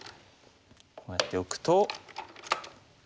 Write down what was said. こうやっておくと。